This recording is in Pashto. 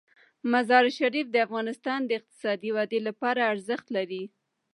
مزارشریف د افغانستان د اقتصادي ودې لپاره ارزښت لري.